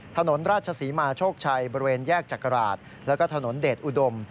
ถนนราชศรีมาโชคชัยบริเวณแยกจักราชแล้วก็ถนนเดชอุดม